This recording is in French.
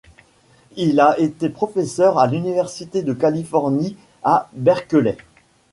Il a été professeur à l'université de Californie à Berkeley.